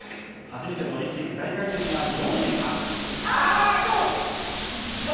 初めてのオリンピック大回転は４位でした。